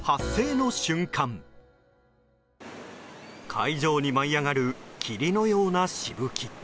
海上に舞い上がる霧のようなしぶき。